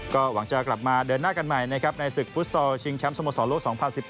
ก็หวังจะกลับมาเดินหน้ากันใหม่นะครับในศึกฟุตซอลชิงแชมป์สโมสรโลก๒๐๑๘